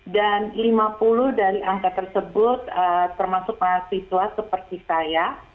dan lima puluh dari angka tersebut termasuk mahasiswa seperti saya